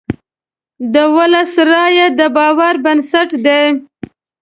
د ولس رایه د باور بنسټ دی.